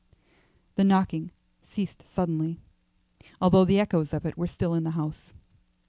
The knocking ceased suddenly, although the echoes of it were still in the house.